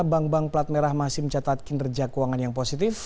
bank bank plat merah masih mencatat kinerja keuangan yang positif